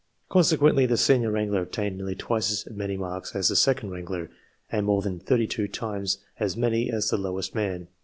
Consequently, the senior wrangler obtained nearly twice as many marks as the second wrangler, and more than thirty two times as many as the lowest man.